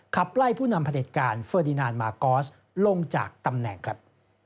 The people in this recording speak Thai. ขับไล่ผู้นำผลิตการเฟอร์ดินานมากอสลงจากตำแหน่งครับ